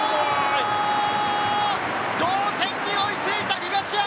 同点に追いついた東山！